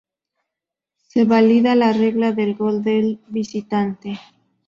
Se valida la regla del gol de visitante.